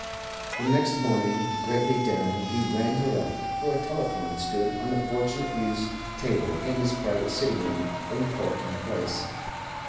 The next morning, greatly daring, he rang her up; for a telephone stood on the Fortunate Youth's table in his private sitting room in Portland Place.